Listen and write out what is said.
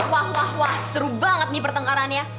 wah wah wah seru banget nih pertengkarannya